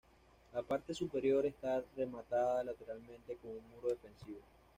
La parte superior está rematada lateralmente con un muro defensivo.